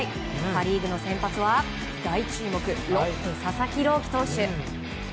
パ・リーグの先発は大注目、佐々木朗希投手。